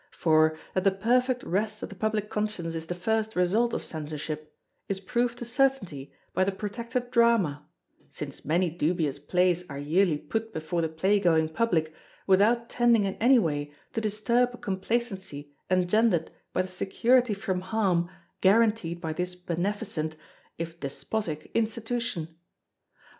For, that the perfect rest of the public conscience is the first result of Censorship, is proved to certainty by the protected Drama, since many dubious plays are yearly put before the play going Public without tending in any way to disturb a complacency engendered by the security from harm guaranteed by this beneficent, if despotic, Institution.